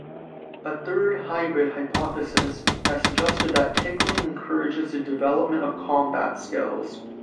A third, hybrid hypothesis, has suggested that tickling encourages the development of combat skills.